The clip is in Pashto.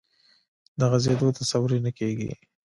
د غځېدو تصور یې نه کېږي.